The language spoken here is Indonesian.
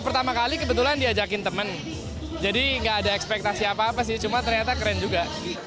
pertama kali kebetulan diajakin temen jadi enggak ada ekspektasi apa apa sih cuma ternyata keren juga